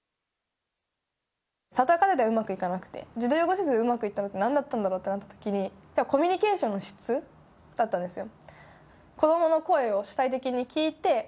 里親家庭ではうまくいかなくて児童養護施設でうまくいったのってなんだったんだろうってなったときにコミュニケーションの質だったんですよ。